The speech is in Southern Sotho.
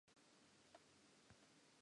Hopola ho se ame madi a motho e mong.